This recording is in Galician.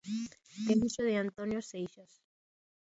Debuxo de Antonio Seixas.